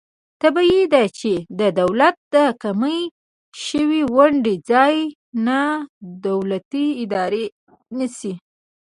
طبعي ده چې د دولت د کمې شوې ونډې ځای نا دولتي ادارې نیسي.